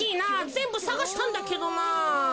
ぜんぶさがしたんだけどな。